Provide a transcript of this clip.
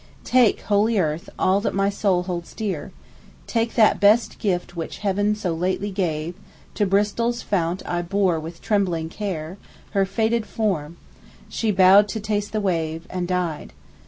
"Take, holy earth, all that my soul holds dear; Take that best gift which Heaven so lately gave. To Bristol's fount I bore with trembling care Her faded form; she bowed to taste the wave, And died.